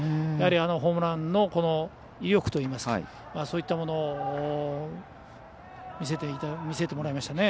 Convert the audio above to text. ホームランの威力といいますかそういったものを見せてもらいましたね。